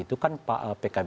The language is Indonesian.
itu kan pak pkb